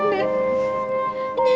nggak ada yang peduli sama nenek